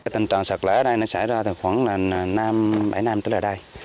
tình trạng sạt lở ở đây nó xảy ra từ khoảng bảy năm tới giờ đây